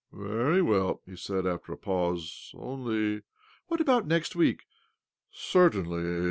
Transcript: " Very well," he said after a pause ;" only "" What about next week? "" Certainly.